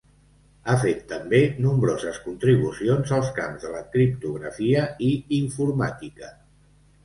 Ha fet també nombroses contribucions als camps de la criptografia i informàtica.